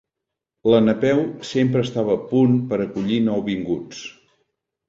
La Napeu sempre estava a punt per acollir nouvinguts.